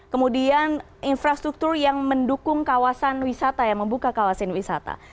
kemudian infrastruktur yang mendukung kawasan wisata yang membuka kawasan wisata